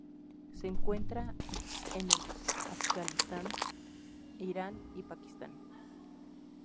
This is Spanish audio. Se encuentra en el Afganistán, Irán y Pakistán.